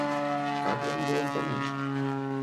Как я могу вам почочь?